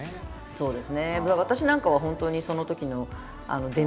そうです。